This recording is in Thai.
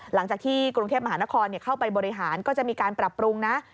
หลังจากที่กรุงเทพมหานครเข้าไปบริหารก็จะมีการปรับปรุงนะ